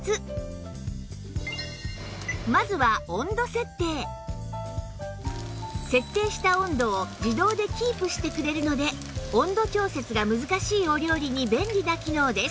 まずは設定した温度を自動でキープしてくれるので温度調節が難しいお料理に便利な機能です